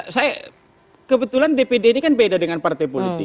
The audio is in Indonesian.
saya kebetulan dpd ini kan beda dengan partai politik